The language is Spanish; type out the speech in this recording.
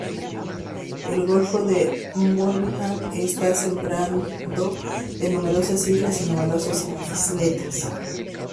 El golfo de Morbihan está sembrado de numerosas islas y de numerosas isletas.